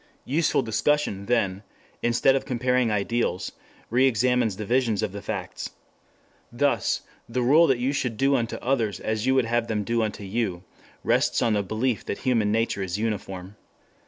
Useful discussion, then, instead of comparing ideals, reexamines the visions of the facts. Thus the rule that you should do unto others as you would have them do unto you rests on the belief that human nature is uniform.